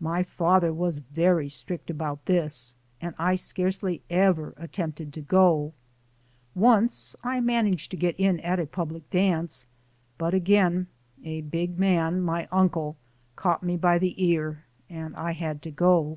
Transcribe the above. My father was very strict about this and I scarcely ever attempted to go. Once I managed to get in at a public dance, but again a big man, my uncle, caught me by the ear, and I had to go.